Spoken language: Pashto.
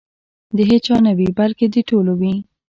د هیچا نه وي بلکې د ټولو وي.